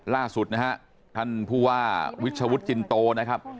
ล่าสุดนะฮะท่านผู้ว่าวิชวุฒิจินโตนะครับ